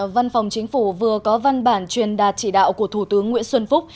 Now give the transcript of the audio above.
văn phòng chính phủ vừa có văn bản truyền đạt chỉ đạo của thủ tướng nguyễn xuân phúc